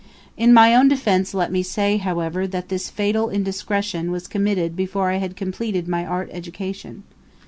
In my own defense let me say, however, that this fatal indiscretion was committed before I had completed my art education.